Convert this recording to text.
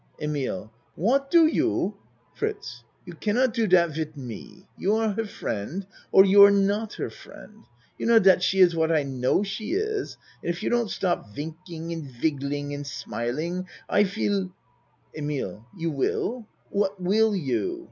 EMILE Wat do you FRITZ You cannot do dat wid me. You are her friend or you are not her friend. You know dat she is what I know she is, and if you don't stop winking and wiggling and smiling I vill EMILE You will? What will you?